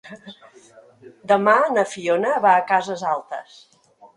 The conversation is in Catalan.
Demà na Fiona va a Cases Altes.